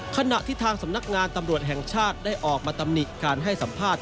ขณะที่ทางสำนักงานตำรวจแห่งชาติได้ออกมาตำหนิการให้สัมภาษณ์